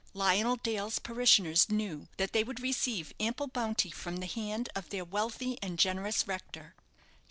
Lionel Dale's parishioners knew that they would receive ample bounty from the hand of their wealthy and generous rector.